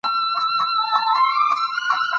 زموږ په ورزشکارانو ویاړ وکړئ.